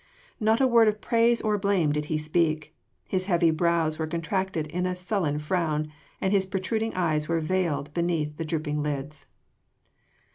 Not a word of praise or blame did he speak. His heavy brows were contracted in a sullen frown, and his protruding eyes were veiled beneath the drooping lids.